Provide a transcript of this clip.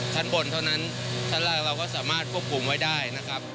ชั้นบนเท่านั้นชั้นล่างเราก็สามารถควบคุมไว้ได้นะครับ